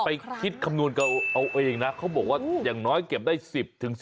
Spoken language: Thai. ไปคิดคำนวณกันเอาเองนะเขาบอกว่าอย่างน้อยเก็บได้๑๐๑๐